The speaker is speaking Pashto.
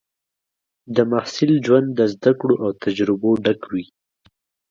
د محصل ژوند د زده کړو او تجربو ډک وي.